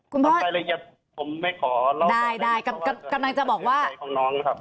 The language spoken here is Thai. อืมเอ่อคุณพ่อผมไม่ขอได้ได้กำลังจะบอกว่าน้องครับ